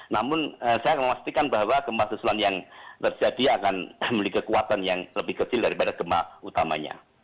namun saya akan memastikan bahwa gempa susulan yang terjadi akan memiliki kekuatan yang lebih kecil daripada gempa utamanya